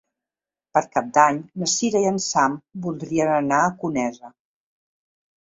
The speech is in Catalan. Per Cap d'Any na Cira i en Sam voldrien anar a Conesa.